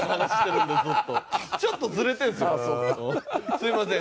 すみません。